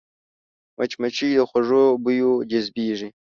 مچمچۍ د خوږو بویو جذبېږي